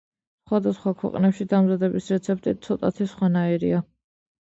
სხვადასხვა ქვეყნებში დამზადების რეცეპტი ცოტათი სხვანაირია.